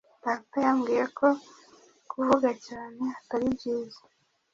data yambwiye ko kuvuga cyane atari byiza